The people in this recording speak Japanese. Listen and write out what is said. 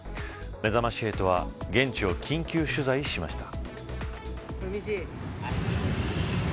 めざまし８は現地を緊急取材しました。